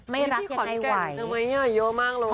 ไม่รักที่ไหนไหวนี่พี่ขอนเก่งทำไมอ่ะเยอะมากเลยอ่ะ